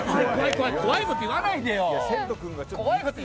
怖いこと言わないでよ！